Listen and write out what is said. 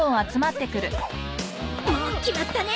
もう決まったね！